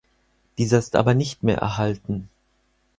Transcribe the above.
Dieser ist aber nicht mehr erhalten.